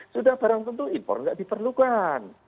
sudah barang tentu impor tidak diperlukan